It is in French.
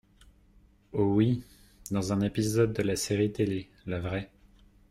Oh, oui. Dans un épisode de la série télé, la vraie